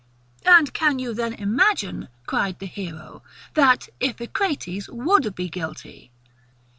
AND CAN YOU THEN IMAGINE, cried the hero, that Iphicrates WOULD BE GUILTY?